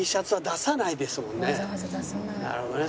なるほどね。